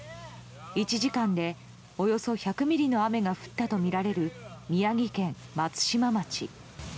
１時間でおよそ１００ミリの雨が降ったとみられる宮城県松島町。